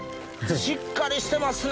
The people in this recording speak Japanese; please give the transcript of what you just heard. しっかりしてますね！